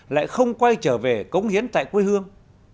lại không quay trở về cống hiến tại quê hương